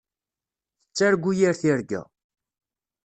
Tettargu yir tirga.